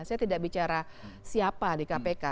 saya tidak bicara siapa di kpk